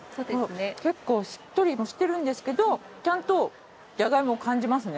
結構しっとりもしてるんですけどちゃんとジャガイモを感じますね。